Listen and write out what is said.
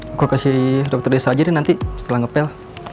aku kasih dokter desa aja deh nanti setelah ngepel